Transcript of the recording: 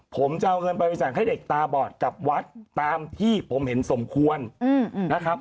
ผมจะเอาเงินไปบริจาคให้เด็กตาบอดกับวัดตามที่ผมเห็นสมควรนะครับ